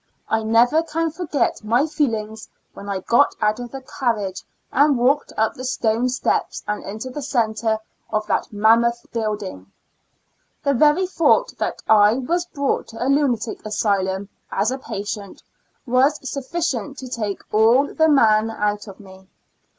I never can for get my feelings when I got out of the car riage and walked up the stone steps and into the centre of that mammoth building. The very thought that I was brought to a lunatic asylum, as a patient, was sufficient to take all the man out of me.